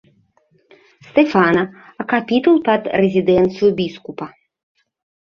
Стэфана, а капітул пад рэзідэнцыю біскупа.